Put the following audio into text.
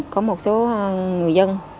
có một số người dân